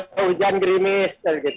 tiba tiba hujan gerimis dan begitu